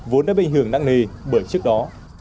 vốn đã bị hưởng nặng nề bởi trước đó